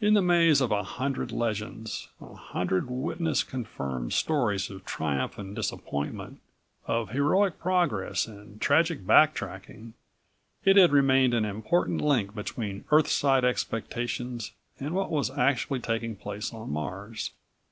In the maze of a hundred legends, a hundred witness confirmed stories of triumph and disappointment, of heroic progress and tragic back tracking, it had remained an important link between Earthside expectations and what was actually taking place on Mars.